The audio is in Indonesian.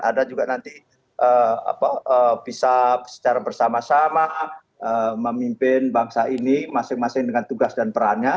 ada juga nanti bisa secara bersama sama memimpin bangsa ini masing masing dengan tugas dan perannya